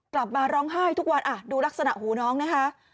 กลับมาร้องไห้ทุกวันอ่ะดูลักษณะหูน้องนะคะ